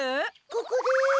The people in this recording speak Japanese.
ここです。